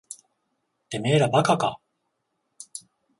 てめえら馬鹿か。